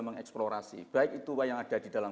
mengeksplorasi baik itu yang ada di dalam